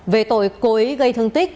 về tội cô ấy gây thương tích